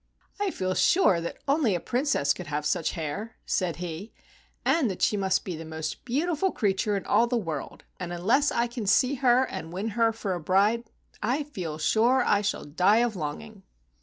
"I feel sure that only a Princess could have such hair," said he, "and that she must be the most beautiful creature in all the world, and unless I can see her and win her for a bride, I feel sure I shall die of longing."